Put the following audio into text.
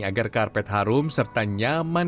agar karpet harum serta nyaman